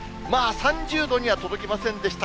３０度には届きませんでした